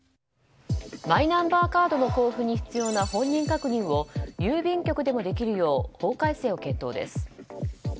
マイナンバーカードの公布に必要な本人確認を郵便局でもできるよう法改正を検討です。